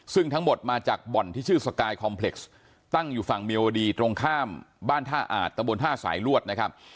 ซึ่งทั้งหมดมาจากบ่อนที่ชื่อสกายคอมเพล็กซ์ตั้งอยู่ฝั่งเมียวดีตรงข้ามบ้านท่าอาจตะบนท่าสายลวดนะครับ